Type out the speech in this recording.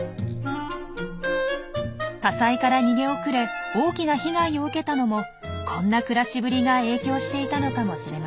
火災から逃げ遅れ大きな被害を受けたのもこんな暮らしぶりが影響していたのかもしれません。